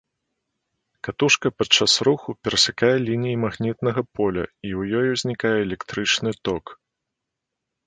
Катушка пад час руху перасякае лініі магнітнага поля, і ў ёй узнікае электрычны ток.